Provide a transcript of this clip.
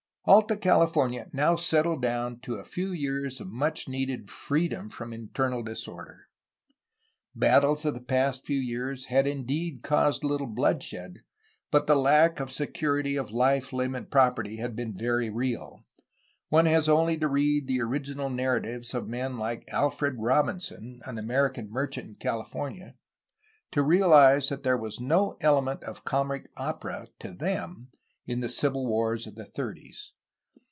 Alta California now settled down to a few years of much needed freedom from internal disorder. Battles of the past few years had indeed caused little bloodshed, but the lack of security of life, Hmb, and property had been very real; one has only to read the original narratives of men like Alfred Robinson, an American merchant in California, to realize that there was no element of comic opera to them in the civil wars of the thirties.